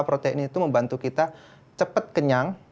protein itu membantu kita cepat kenyang